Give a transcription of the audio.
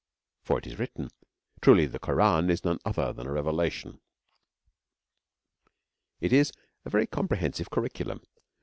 (For it is written, 'Truly the Quran is none other than a revelation.') It is a very comprehensive curriculum.